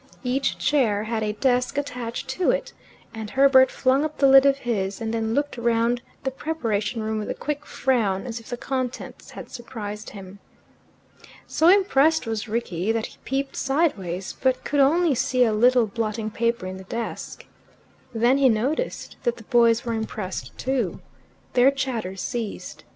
Each chair had a desk attached to it, and Herbert flung up the lid of his, and then looked round the preparation room with a quick frown, as if the contents had surprised him. So impressed was Rickie that he peeped sideways, but could only see a little blotting paper in the desk. Then he noticed that the boys were impressed too. Their chatter ceased.